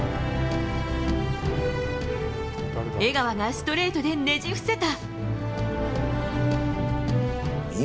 江川がストレートでねじ伏せた。